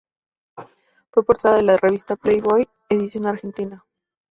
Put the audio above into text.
Fue portada de la revista "Playboy", edición argentina.